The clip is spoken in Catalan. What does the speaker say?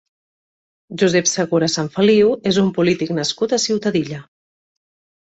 Josep Segura Sanfeliu és un polític nascut a Ciutadilla.